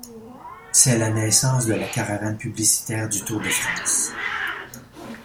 C'est la naissance de la caravane publicitaire du Tour de France.